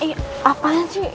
eh apanya sih